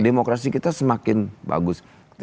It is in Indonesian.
demokrasi kita semakin bagus